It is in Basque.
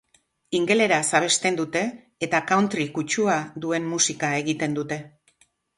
Ingeleraz abesten dute eta country kutxua duen musika egiten dute.